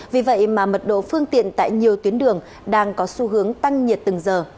vì vậy mà mật độ phương tiện tại nhiều tuyến đường đang có xu hướng tăng nhiệt từng giờ